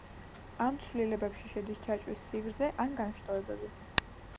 ამ ცვლილებებში შედის ჯაჭვის სიგრძე ან განშტოებები.